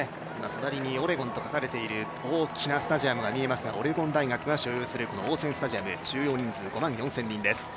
隣にオレゴンと書かれている大きなスタジアムが見えますがオレゴン大学が所有するオーツェン・スタジアム収容人数は５万４０００人です。